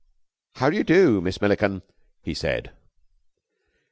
"How do you do, Miss Milliken?" he said.